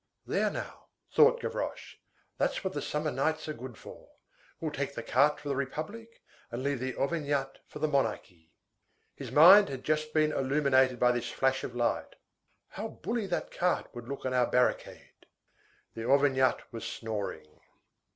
"There now," thought Gavroche, "that's what the summer nights are good for. We'll take the cart for the Republic, and leave the Auvergnat for the Monarchy." His mind had just been illuminated by this flash of light:— "How bully that cart would look on our barricade!" The Auvergnat was snoring.